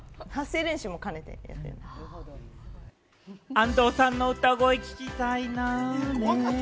安藤さんの歌声、聴きたいな。